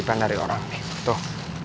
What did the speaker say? tipe tipe dari orang nih tuh